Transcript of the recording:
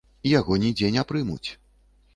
Яго нідзе не прымуць.